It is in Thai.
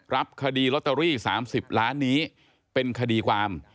รับคดีลอตเตอรี่๓๐ล้านนี้เป็นคดีความ